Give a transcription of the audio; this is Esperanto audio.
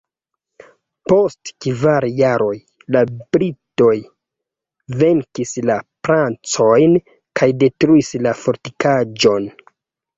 Post kvar jaroj, la britoj venkis la francojn kaj detruis la fortikaĵon.